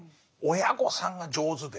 親御さんが上手で。